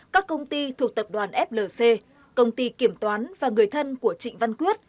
các công ty thuộc tập đoàn flc công ty kiểm toán và người thân của trịnh văn quyết